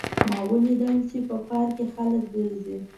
ما ولیدل چې په پارک کې خلک ګرځي